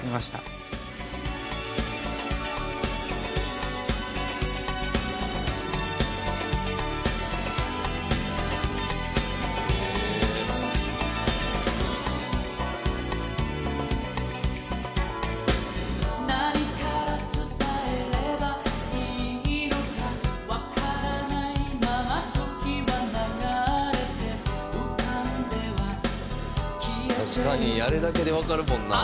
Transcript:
「確かにあれだけでわかるもんな」